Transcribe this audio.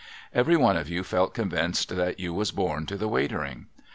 Every one of you felt convinced that you was born to the Waitering.